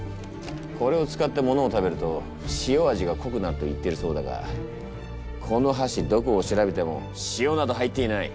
これを使ってものを食べると塩味がこくなると言っているそうだがこのはしどこを調べても塩など入っていない！